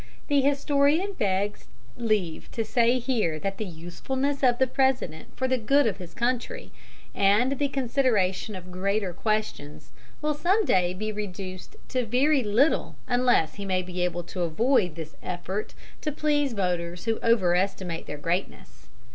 The historian begs leave to say here that the usefulness of the President for the good of his country and the consideration of greater questions will some day be reduced to very little unless he may be able to avoid this effort to please voters who overestimate their greatness.